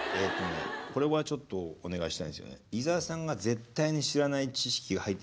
これはちょっとお願いしたいんですよね。